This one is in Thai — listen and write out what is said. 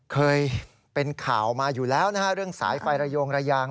เคยเป็นข่าวมาอยู่แล้วนะฮะเรื่องสายไฟระโยงระยาง